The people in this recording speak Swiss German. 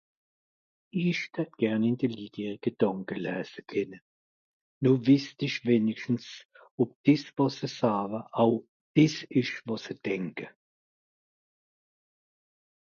isch d'hatt gern ìn de Lit ihr Gedànke läse kenne nò wischt'isch wenigstens òb des wàs sie sawe aw des esch wàs se Denke